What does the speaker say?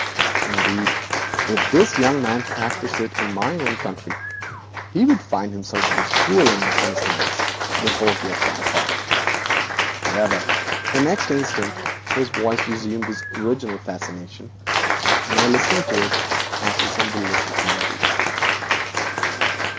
Indeed, if this gentleman practised such a barbarism in my own country he would find himself with a duel on his hands before he had gone far. However, the next instant his voice resumed its original fascination, and I listened to it as to some delicious melody.